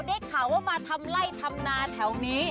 ได้ข่าวว่ามาทำไล่ทำนาแถวนี้